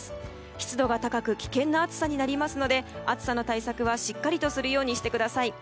湿度が高く危険な暑さになりますので暑さの対策はしっかりとするようにしてください。